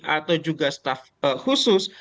atau juga staff khusus